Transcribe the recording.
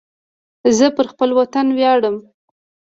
زه پر خپل وطن ویاړم